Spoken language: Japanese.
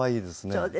そうですか。